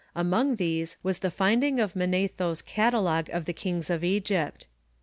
Among these was the finding of Manetho's catalogue of the kings of Egypt.